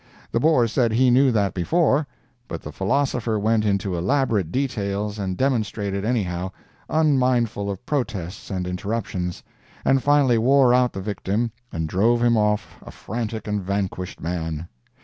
The Bore said he knew that before, but the philosopher went into elaborate details and demonstrated anyhow, unmindful of protests and interruptions, and finally wore out the victim and drove him off a frantic and vanquished man.